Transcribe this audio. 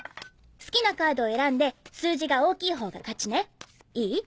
好きなカードを選んで数字が大きいほうが勝ちねいい？